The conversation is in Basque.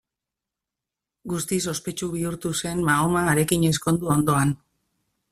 Guztiz ospetsu bihurtu zen Mahoma harekin ezkondu ondoan.